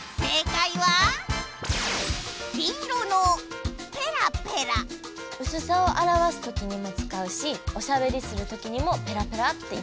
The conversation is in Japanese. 黄色の「ペラペラ」うすさをあらわすときにもつかうしおしゃべりするときにもペラペラって言ったりするわよね。